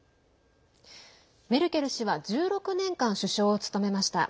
メルケル氏は１６年間首相を務めました。